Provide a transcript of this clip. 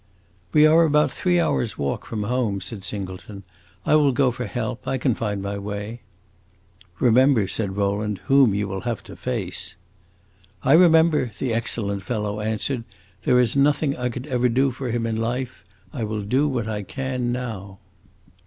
"We are at about three hours' walk from home," said Singleton. "I will go for help; I can find my way." "Remember," said Rowland, "whom you will have to face." "I remember," the excellent fellow answered. "There was nothing I could ever do for him in life; I will do what I can now."